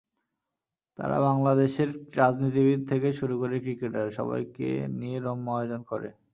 তারা বাংলাদেশের রাজনীতিবিদ থেকে শুরু করে ক্রিকেটার—সবাইকে নিয়েই রম্য আয়োজন করে।